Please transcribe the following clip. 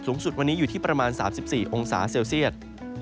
สูงสุดวันนี้อยู่ที่ประมาณ๓๔องศาเซลเซียต